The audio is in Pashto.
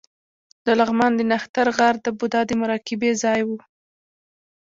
د لغمان د نښتر غار د بودا د مراقبې ځای و